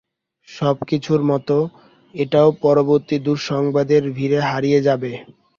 সবকিছুর মতো, এটাও পরবর্তী দুঃসংবাদের ভীড়ে হারিয়ে যাবে।